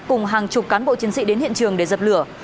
cùng hàng chục cán bộ chiến sĩ đến hiện trường để dập lửa